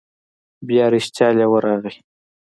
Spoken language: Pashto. بیا رښتیا لیوه راغی.